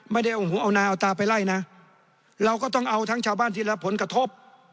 ไม่ได้เอาหูเอานาเอาตาไปไล่นะเราก็ต้องเอาทั้งชาวบ้านที่รับผลกระทบ